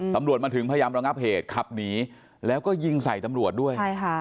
ตำรวจมาถึงพยายามระงับเหตุขับหนีแล้วก็ยิงใส่ตำรวจด้วยใช่ค่ะ